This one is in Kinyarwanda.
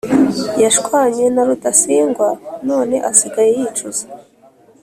Yashwanye na rudasingwa none asigaye yicuza